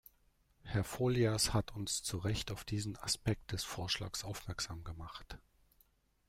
Herr Folias hat uns zu Recht auf diesen Aspekt des Vorschlags aufmerksam gemacht.